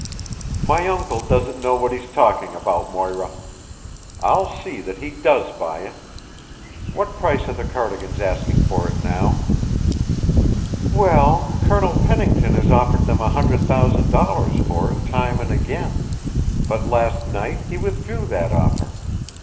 "My uncle doesn't know what he's talking about, Moira. I'll see that he does buy it. What price are the Cardigans asking for it now?" "Well, Colonel Pennington has offered them a hundred thousand dollars for it time and again, but last night he withdrew that offer.